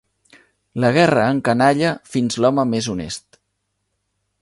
La guerra encanalla fins l'home més honest.